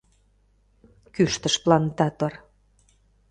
— кӱштыш плантатор.